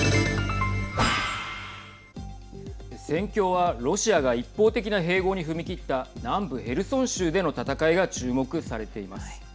戦況はロシアが一方的な併合に踏み切った南部ヘルソン州での戦いが注目されています。